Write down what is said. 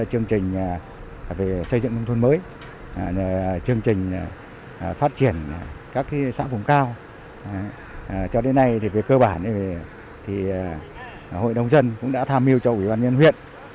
hội viên trao cho đến nay về cơ bản hội đồng dân cũng đã tham mưu cho ủy ban nhân huyện